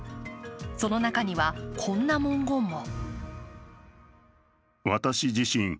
その中にはこんな文言も。